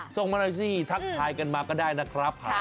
ส่งมาหน่อยสิทักทายกันมาก็ได้นะครับ